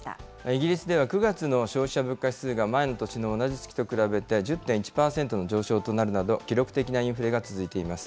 イギリスでは９月の消費者物価指数が、前の年の同じ月と比べて１０．１％の上昇となるなど、記録的なインフレが続いています。